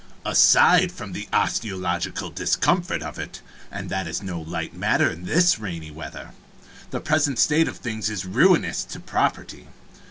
Aside from the osteological discomfort of it and that is no light matter this rainy weather the present state of things is ruinous to property.